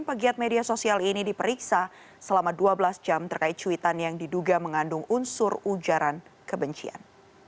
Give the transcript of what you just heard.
pegiat media sosial ini diperiksa selama dua belas jam terkait cuitan yang diduga mengandung unsur ujaran kebencian